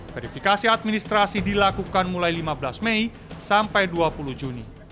verifikasi administrasi dilakukan mulai lima belas mei sampai dua puluh juni